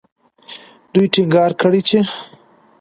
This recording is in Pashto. دوی ټینګار کړی چې